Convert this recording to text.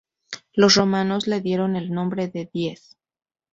Los romanos le dieron el nombre de Dies.